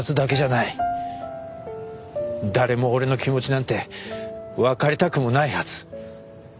誰も俺の気持ちなんてわかりたくもないはず。